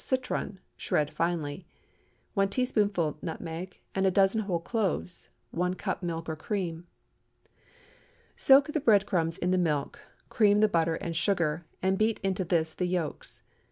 citron, shred finely. 1 teaspoonful nutmeg, and a dozen whole cloves. 1 cup milk or cream. Soak the bread crumbs in the milk, cream the butter and sugar, and beat into this the yolks.